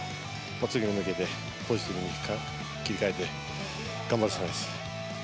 次に向けてポジティブに切り替えて、頑張るしかないです。